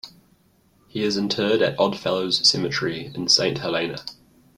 He is interred at Odd Fellows Cemetery in Saint Helena.